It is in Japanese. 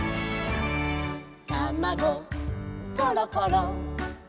「たまごころころ」